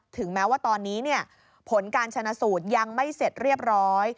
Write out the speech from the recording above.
ถึงแม้ว่าตอนนี้ผลการชนะสูตรยังไม่เสร็จเรียบร้อย